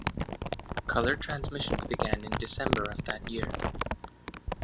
Color transmissions began in December of that year.